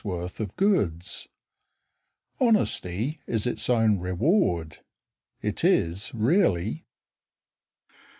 worth of goods. Honesty is its own reward It is really.